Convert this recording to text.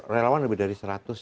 relawan lebih dari seratus